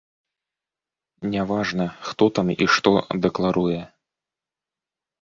Няважна, хто там і што дэкларуе.